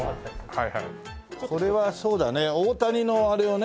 これはそうだね大谷のあれをね